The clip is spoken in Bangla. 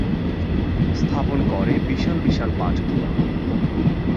স্থাপন করে বিশাল বিশাল পাট গুদাম।